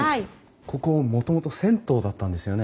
ここもともと銭湯だったんですよね？